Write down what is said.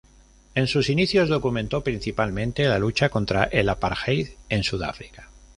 En sus inicios documentó principalmente la lucha contra el apartheid en Sudáfrica.